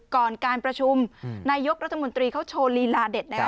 ก่อนการประชุมนายกรัฐมนตรีเขาโชว์ลีลาเด็ดนะครับ